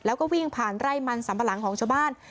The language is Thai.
แล้วก็วิ่งผ่านไร่มันสัมปะหลังของชาวบ้าน